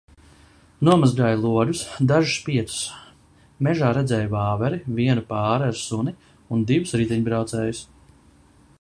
Nomazgāju logus, dažus, piecus. Mežā redzēju vāveri, vienu pāri ar suni un divus riteņbraucējus.